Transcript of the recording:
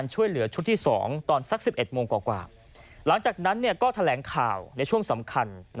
หลังจากนั้นก็แถลงข่าวในช่วงสำคัญ